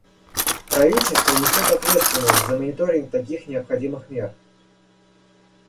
Правительства несут ответственность за мониторинг таких необходимых мер.